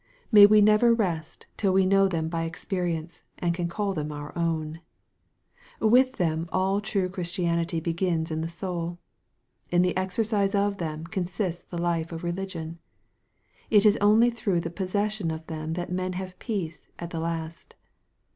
May we never rest till we know them by experience, and can call theni our own ! With them all true Christianity begins in the soul. In the exercise of them consists the life of religion. It is only through the possession of them that men have peace at the last.